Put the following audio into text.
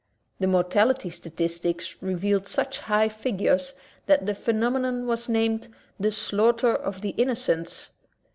The mortality statistics revealed such high figures that the phenomenon was named the ''slaughter of the innocents."